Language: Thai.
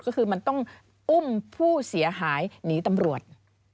ก็คือมันต้องอุ้มผู้เสียหายหนีตำรวจ